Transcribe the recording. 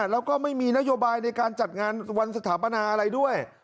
แล้วก็ไม่มีนโยบายในการจัดงานวันสถาปนาอะไรด้วย